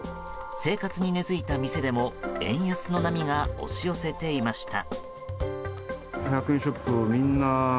生活に根付いた店でも円安の波が押し寄せていました。